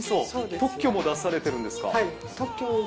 特許も出されてるんですか？